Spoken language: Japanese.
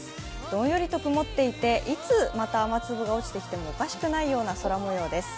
どんよりと曇っていていつまた雨粒が落ちてきてもおかしくないような空もようです。